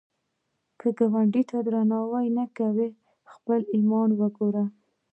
که ګاونډي ته درناوی نه کوې، خپل ایمان وګوره